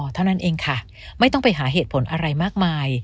เท่านั้นเองค่ะไม่ต้องไปหาเหตุผลอะไรมากมาย